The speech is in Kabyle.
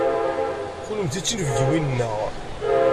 Kennemti d tinebgiwin-nneɣ.